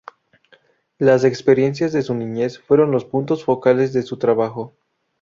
Las experiencias de su niñez fueron los puntos focales de su trabajo.